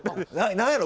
何やろ？